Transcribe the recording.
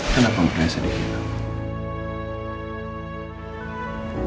kenapa mengesan diri kamu